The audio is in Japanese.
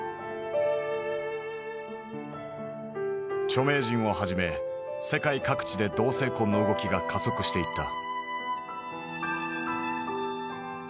著名人をはじめ世界各地で同性婚の動きが加速していった。